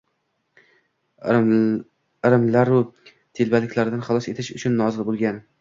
irimlaru telbaliklardan xalos etish uchun nozil bo‘lgan.